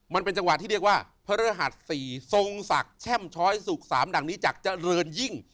มันเป็นจังหวะที่เรียกว่าพระฤหัส๔ทรงศักดิ์แช่มช้อยสุข๓ดังนี้จากเจริญยิ่ง